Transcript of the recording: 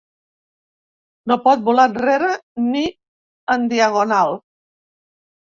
No pot volar enrere ni en diagonal.